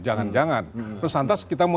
jangan jangan terus lantas kita mau